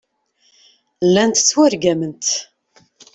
Llant ttwargament.